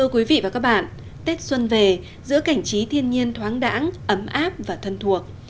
quý vị và các bạn tết xuân về giữa cảnh trí thiên nhiên thoáng đẳng ấm áp và thân thuộc